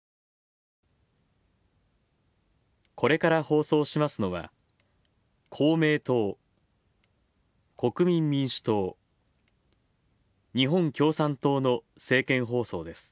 これから放送しますのは、公明党国民民主党日本共産党の政見放送です。